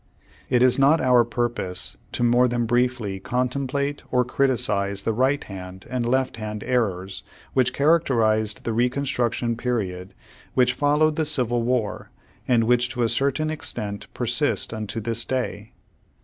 It is not our purpose to more than briefly con template or criticise the right hand and left hand errors v/hich characterized the Reconstruction period which followed the Civil War, and which to a certain extent persist unto this day.